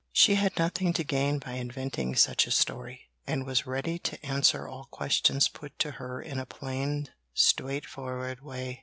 She had nothing to gain by inventing such a story, and was ready to answer all questions put to her in a plain, straightforward way.